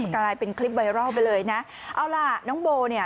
กลายเป็นคลิปไวรัลไปเลยนะเอาล่ะน้องโบเนี่ย